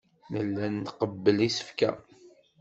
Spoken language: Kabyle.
Nella nqebbel isefka.